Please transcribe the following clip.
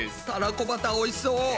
たらこバターおいしそう。